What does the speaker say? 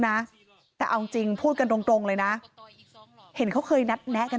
นะแต่เอาจริงพูดกันตรงตรงเลยนะเห็นเขาเคยนัดแนะกัน